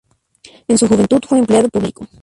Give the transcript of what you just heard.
En su juventud fue empleado público.